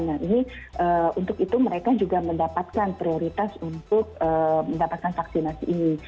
nah ini untuk itu mereka juga mendapatkan prioritas untuk mendapatkan vaksinasi ini